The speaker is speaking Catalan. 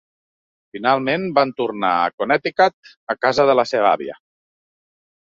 Finalment van tornar a Connecticut a casa de la seva àvia.